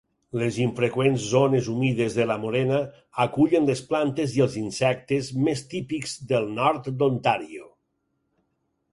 Les infreqüents zones humides de la morena acullen les plantes i els insectes més típics del nord d'Ontario.